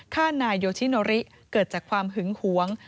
ฆ่านายโยชิโนริเกิดจากความหึงหวง